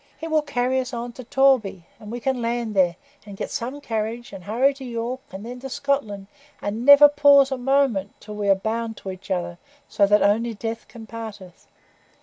It will carry us on to Torby, and we can land there, and get some carriage, and hurry on to York and then to Scotland,—and never pause a moment till we are bound to each other, so that only death can part us.